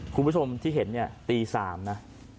คุณผู้ชมที่เห็นเนี่ยตี๓นะ